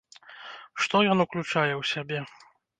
Што ён уключае ў сябе?